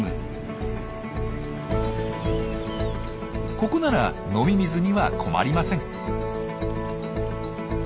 ここなら飲み水には困りません。